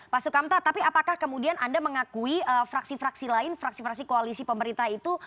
pak sukamta tapi apakah kemudian anda mengakui fraksi fraksi lain fraksi fraksi koalisi pemerintah itu